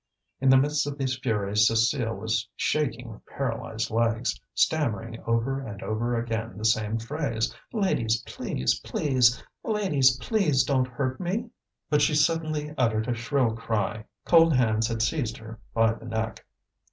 In the midst of these furies Cécile was shaking with paralysed legs, stammering over and over again the same phrase: "Ladies! please! please! Ladies, please don't hurt me!" But she suddenly uttered a shrill cry; cold hands had seized her by the neck.